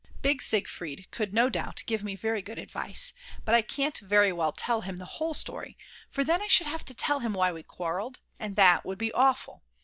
Big Siegfried could no doubt give me very good advice, but I can't very well tell him the whole story, for then I should have to tell him why we quarrelled, and that would be awful.